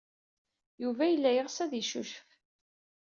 Yuba yella yeɣs ad yeccucef.